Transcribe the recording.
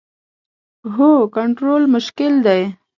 هو، کنټرول مشکل دی